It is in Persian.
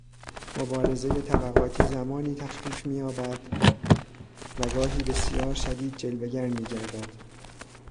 مبارزهٔ طبقاتی زمانی تخفیف مییابد و گاهی بسیار شدید جلوه گر میگردد.